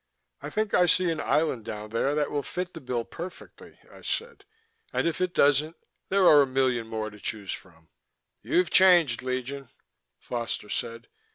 "I think I see an island down there that will fill the bill perfectly," I said. "And if it doesn't, there are a million more to choose from." "You've changed, Legion," Foster said.